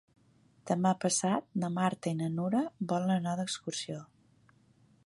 Demà passat na Marta i na Nura volen anar d'excursió.